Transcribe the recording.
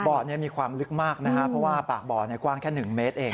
บ่อนี้มีความลึกมากนะครับเพราะว่าปากบ่อกว้างแค่๑เมตรเอง